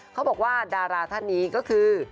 เขาบอกว่าดาราท่านนี้ก็คือ